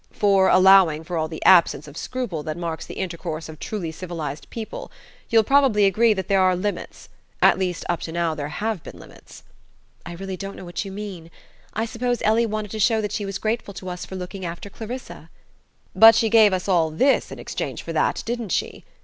For, allowing for all the absence of scruple that marks the intercourse of truly civilized people, you'll probably agree that there are limits; at least up to now there have been limits...." "I really don't know what you mean. I suppose Ellie wanted to show that she was grateful to us for looking after Clarissa." "But she gave us all this in exchange for that, didn't she?"